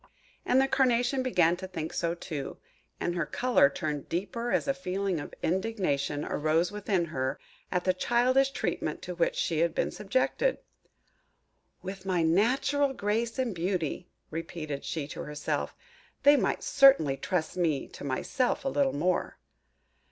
And the Carnation began to think so too; and her colour turned deeper as a feeling of indignation arose within her at the childish treatment to which she had been subjected. "With my natural grace and beauty," repeated she to herself, "they might certainly trust me to myself a little more!"